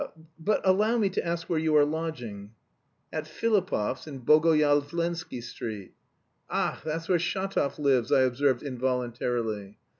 But allow me to ask where you are lodging." "At Filipov's, in Bogoyavlensky Street." "Ach, that's where Shatov lives," I observed involuntarily.